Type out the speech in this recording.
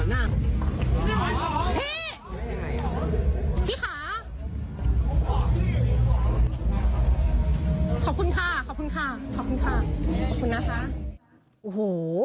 โอ้โห